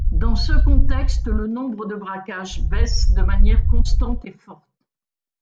Dans ce contexte, le nombre de braquages baisse de manière constante et forte.